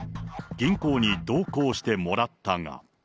銀行に同行してもらったが。